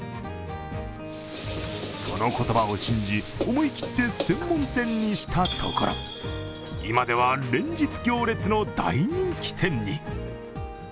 その言葉を信じ、思い切って専門店にしたところ今では連日行列の大人気店に。